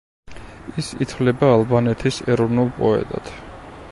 ის ითვლება ალბანეთის ეროვნულ პოეტად.